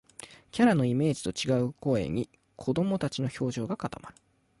キャラのイメージと違う声に、子どもたちの表情が固まる